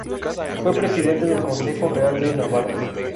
Fue Presidente del Consejo Real de Navarra.